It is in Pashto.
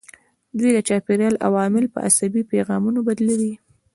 دوی د چاپیریال عوامل په عصبي پیغامونو بدلوي.